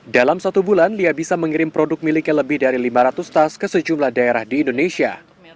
dalam satu bulan lia bisa mengirim produk miliknya lebih dari lima ratus tas ke sejumlah daerah di indonesia